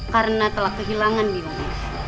karena telah kehilangan biung